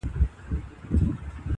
• نه خبر وو چي سبا او بېګاه څه دی -